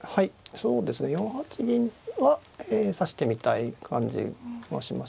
そうですね４八銀は指してみたい感じはします。